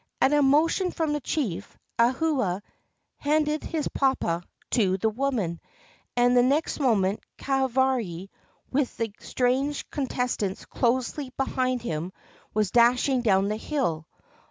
At a motion from the chief, Ahua handed his papa to the woman, and the next moment Kahavari, with the strange contestant closely behind him, was dashing down the hill.